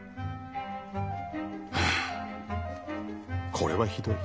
これはひどい。